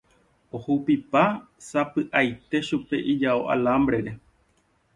Ahupipa sapy'aite chupe ijao alambre-re.